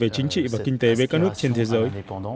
chính trị và kinh tế với các nước trên thế giới